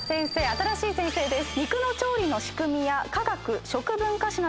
新しい先生です。